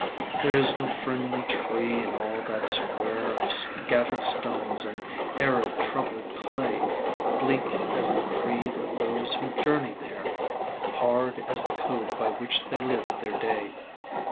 There is no friendly tree in all that square Of scattered stones and arid, troubled clay. Bleak as the creed of those who journey there. Hard as the code by which they lived their day.